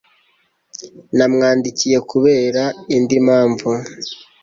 Namwandikiye kubera indi mpamvu